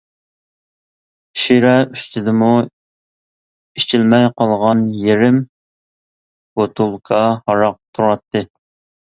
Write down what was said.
شىرە ئۈستىدىمۇ ئىچىلمەي قالغان يېرىم بوتۇلكا ھاراق تۇراتتى.